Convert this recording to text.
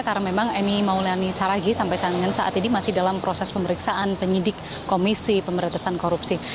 karena memang eni maulani saragi sampai saat ini masih dalam proses pemeriksaan penyidik komisi pemerintasan korupsi